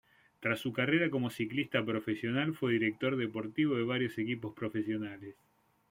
Tras su carrera como ciclista profesional fue director deportivo de varios equipos profesionales.